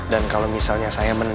dan kalau misalnya saya menang